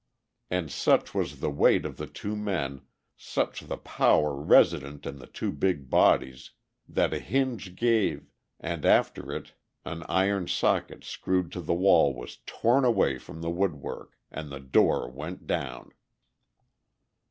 And such was the weight of the two men, such the power resident in the two big bodies, that a hinge gave and after it an iron socket screwed to the wall was torn away from the woodwork, and the door went down.